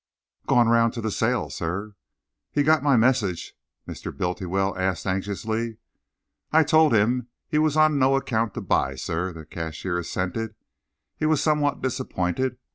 "Gone round to the sale, sir." "He got my message?" Mr. Bultiwell asked anxiously. "I told him that he was on no account to buy, sir," the cashier assented. "He was somewhat disappointed.